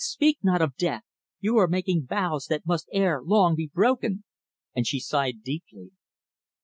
"Speak not of death. You are making vows that must ere long be broken," and she sighed deeply.